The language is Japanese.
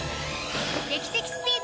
劇的スピード！